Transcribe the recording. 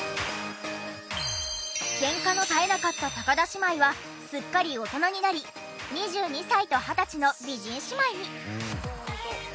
ケンカの絶えなかった田姉妹はすっかり大人になり２２歳と２０歳の美人姉妹に。